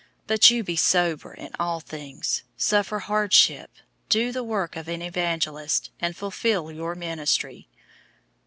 004:005 But you be sober in all things, suffer hardship, do the work of an evangelist, and fulfill your ministry.